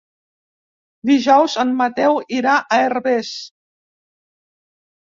Dijous en Mateu irà a Herbers.